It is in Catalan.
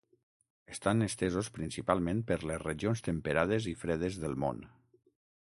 Estan estesos principalment per les regions temperades i fredes del món.